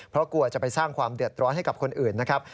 เพราะกลัวจะไปสร้างความเดือดร้อนให้กับคนอื่นนะครับ